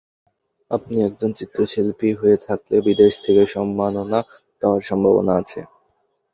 আপনি একজন চিত্রশিল্পী হয়ে থাকলে বিদেশ থেকে সম্মাননা পাওয়ার সম্ভাবনা আছে।